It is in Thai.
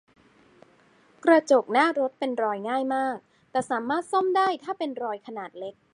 กระจกหน้ารถเป็นรอยง่ายมาก แต่สามารถซ่อมได้ ถ้าเป็นรอยขนาดเล็ก